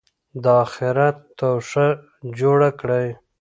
د آخرت توښه جوړه کړئ.